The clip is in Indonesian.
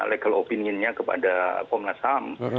legal opinion nya kepada komnas ham